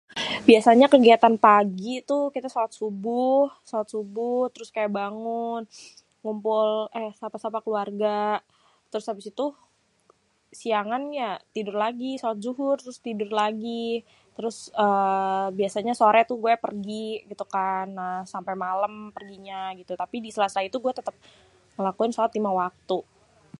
Biasanya kegiatan pagi tuh kita sholat subuh, sholat subuh. Terus kayak bangun, ngumpul sapa-sapa keluarga. Terus habis itu siangan ya tidur lagi, sholat dzuhur, terus tidur lagi. Terus eee biasanya sore tuh, gue pergi gitu kan nah sampé malem perginya gitu tapi di sela-sela itu gue tetep ngelakui sholat lima waktu.